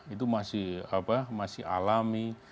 itu masih alami